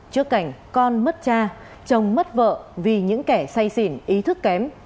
trước cảnh con mất cha chồng mất vợ vì những kẻ say xỉn ý thức kém